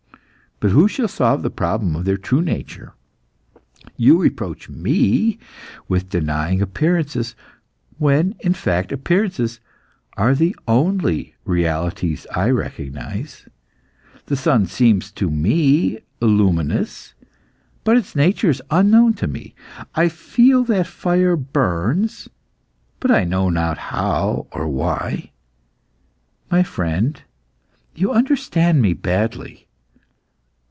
But who shall solve the problem of their true nature? You reproach me with denying appearances, when, in fact, appearances are the only realities I recognise. The sun seems to me illuminous, but its nature is unknown to me. I feel that fire burns but I know not how or why. My friend, you understand me badly.